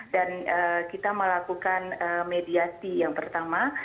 dan kita melakukan mediasi yang pertama